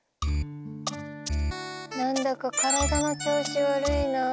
なんだか体の調子悪いなあ。